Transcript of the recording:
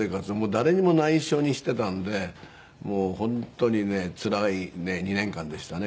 誰にも内緒にしてたんで本当にねつらい２年間でしたね